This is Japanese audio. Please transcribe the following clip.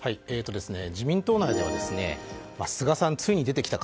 自民党内では菅さん、ついに出てきたか。